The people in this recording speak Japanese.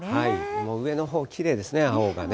もう上のほう、きれいですね、青がね。